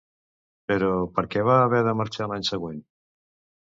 Però, per què va haver de marxar l'any següent?